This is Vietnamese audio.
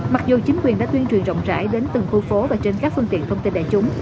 mặc dù chính quyền đã tuyên truyền rộng rãi đến từng khu phố và trên các phương tiện thông tin đại chúng